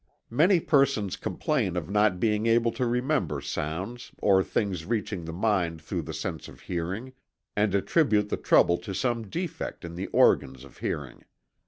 Many persons complain of not being able to remember sounds, or things reaching the mind through the sense of hearing, and attribute the trouble to some defect in the organs of hearing.